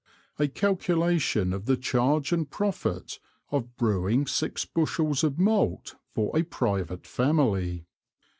A Calculation of the Charge and Profit of Brewing six Bushels of Malt for a private Family.